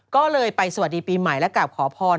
ก็เลยไปสวัสดีปีใหม่และกลับขอพร